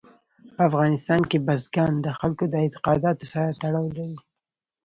په افغانستان کې بزګان د خلکو د اعتقاداتو سره تړاو لري.